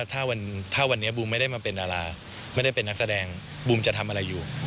ถ้าวันนี้บูมไม่ได้มาเป็นดาราไม่ได้เป็นนักแสดงบูมจะทำอะไรอยู่